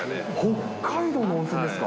北海道の温泉ですか。